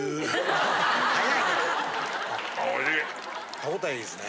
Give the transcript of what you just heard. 歯応えいいですね。